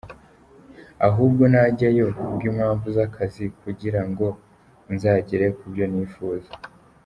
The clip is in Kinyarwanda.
Ahubwo najyayo kubw’impamvu z’akazi kugira ngo nzagere ku byo nifuza.